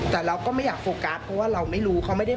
แล้วแล้วนึกว่าบ้านสุดท้าย